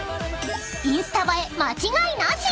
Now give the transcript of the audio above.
［インスタ映え間違いなし！